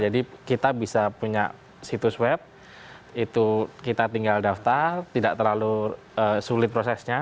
jadi kita bisa punya situs web itu kita tinggal daftar tidak terlalu sulit prosesnya